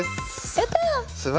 やったあ！